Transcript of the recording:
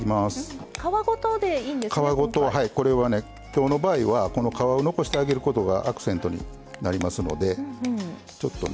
今日の場合はこの皮を残してあげることがアクセントになりますので。